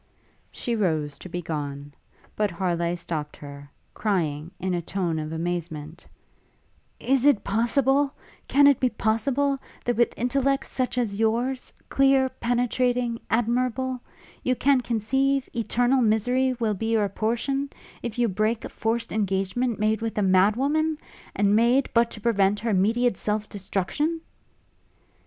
She rose to be gone; but Harleigh stopt her, crying, in a tone of amazement, 'Is it possible, can it be possible, that with intellects such as yours, clear, penetrating, admirable, you can conceive eternal misery will be your portion, if you break a forced engagement made with a mad woman? and made but to prevent her immediate self destruction?'